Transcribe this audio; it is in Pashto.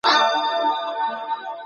د سردرد لومړنۍ نښې پېژندل مهم دي.